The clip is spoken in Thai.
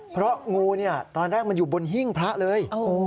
เพราะงูเนี่ยตอนแรกมันอยู่บนหิ้งพระเลย